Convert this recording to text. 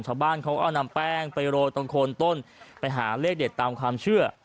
ชาวบ้านเขาก็เอานำแป้งไปโรยตรงโคนต้นไปหาเลขเด็ดตามความเชื่อ